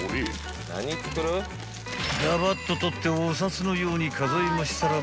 ［ガバッと取ってお札のように数えましたらば］